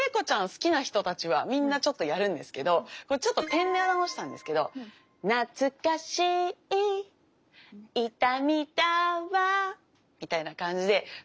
好きな人たちはみんなちょっとやるんですけどこれちょっと点で表したんですけどなつかしいいたみだわみたいな感じで少しだけ切る。